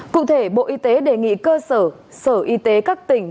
cụ thể bộ y tế đề nghị cơ sở sở y tế các tỉnh